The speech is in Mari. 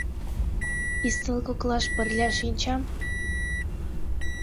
Ӱстел коклаш пырля шинчам?